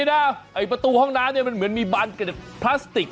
ประตูห้องน้ำเนี่ยมันเหมือนมีบานพลาสติก